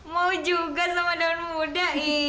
mau juga sama daun muda nih